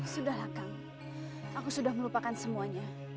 sudahlah kang aku sudah melupakan semuanya